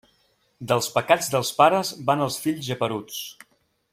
Dels pecats dels pares van els fills geperuts.